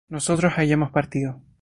nosotros hayamos partido